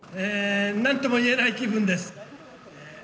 なんとも言えない気分です。